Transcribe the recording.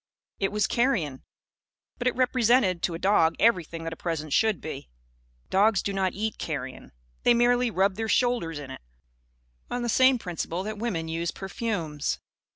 It was carrion; but it represented, to a dog, everything that a present should be. Dogs do not eat carrion. They merely rub their shoulders in it; on the same principle that women use perfumes.